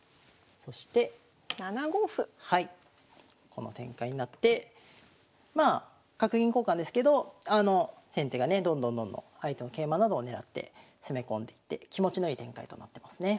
この展開になってまあ角銀交換ですけどあの先手がねどんどんどんどん相手の桂馬などを狙って攻め込んでいって気持ちのいい展開となってますね。